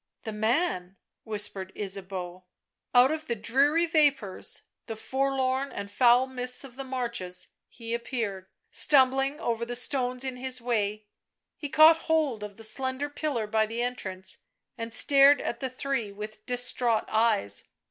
" The man," whispered Ysabeau. Out of the dreary vapours, the forlorn and foul mists of the marshes, he appeared, stumbling over the stones in his way. ... He caught hold of the slender pillar by the entrance and stared at the three with distraught eyes.